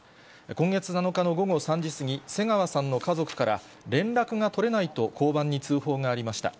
今月７日の午後３時過ぎ、瀬川さんの家族から、連絡が取れないと交番に通報がありました。